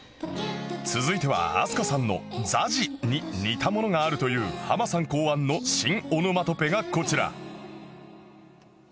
続いては飛鳥さんの「ざじ」に似たものがあるというハマさん考案の新オノマトペがこちら